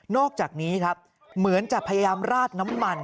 อกจากนี้ครับเหมือนจะพยายามราดน้ำมัน